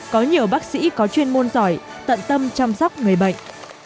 có nhiều bác sĩ có chuyên môn giỏi tận tâm chăm sóc người bệnh